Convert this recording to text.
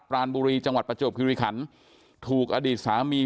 รานบุรีจังหวัดประจวบคิริขันถูกอดีตสามี